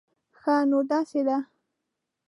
ښه، نو داسې ده